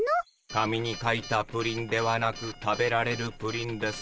「紙に書いたプリンではなく食べられるプリン」ですね？